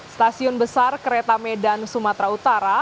stasiun besar kereta medan sumatera utara